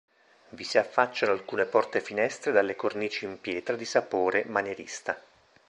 Vi si affacciano alcune porte-finestre dalle cornici in pietra di sapore manierista.